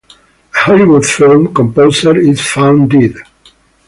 A Hollywood film composer is found dead.